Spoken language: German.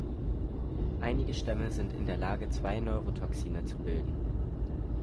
Einige Stämme sind in der Lage, zwei Neurotoxine zu bilden.